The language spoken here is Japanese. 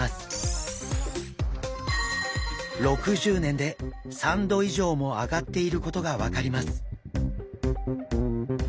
６０年で３℃以上も上がっていることが分かります。